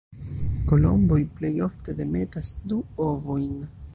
Kolomboj plej ofte demetas du ovojn.